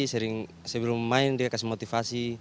sering sebelum main dia kasih motivasi